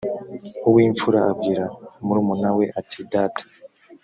uw imfura abwira murumuna we ati data